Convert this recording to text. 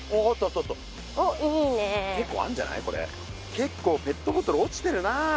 けっこうペットボトル落ちてるなあ。